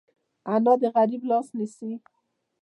انا د غریب لاس نیسي